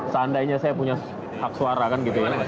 seandainya saya punya hak suara kan gitu ya